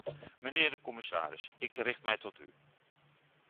Mijnheer de commissaris, ik richt mij tot u.